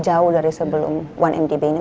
jauh dari sebelum satu mdb ini